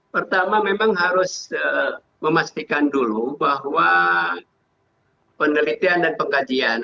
pertama memang harus memastikan dulu bahwa penelitian dan pengkajian